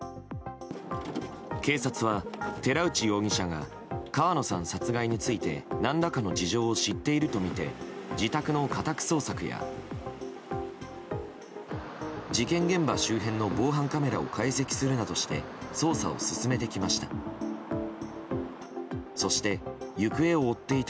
警察は寺内容疑者が川野さん殺害について何らかの事情を知っているとみて自宅の家宅捜索や事件現場周辺の防犯カメラを解析するなどして捜査を進めてきました。